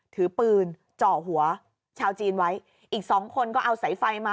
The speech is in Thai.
ถือปืนเจาะหัวชาวจีนไว้อีกสองคนก็เอาสายไฟมา